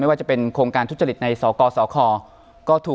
ไม่ว่าจะเป็นโครงการทุจริตในสกสค